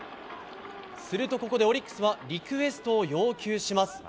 すると、ここでオリックスはリクエストを要求します。